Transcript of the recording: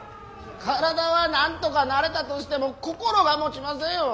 体はなんとか慣れたとしても心がもちませんよ。